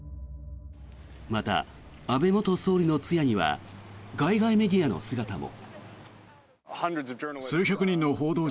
また、安倍元総理の通夜には海外メディアの姿も。